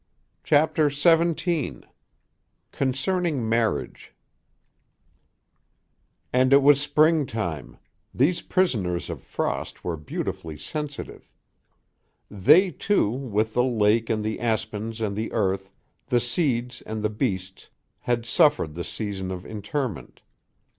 CHAPTER XVII CONCERNING MARRIAGE And it was spring time; these prisoners of frost were beautifully sensitive. They, too, with the lake and the aspens and the earth, the seeds and the beasts, had suffered the season of interment.